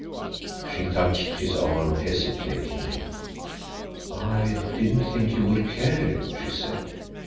She touched his arm hesitatingly. "I didn't think you would care," she said.